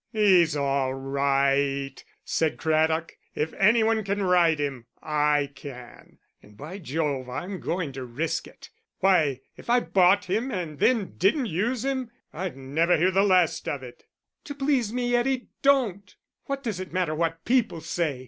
"He's all right," said Craddock. "If any one can ride him, I can and, by Jove, I'm going to risk it. Why, if I bought him and then didn't use him, I'd never hear the last of it." "To please me, Eddie, don't! What does it matter what people say?